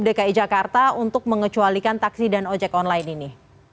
jadi bagaimana dishub dki jakarta untuk mengecualikan taksi dan ojek online ini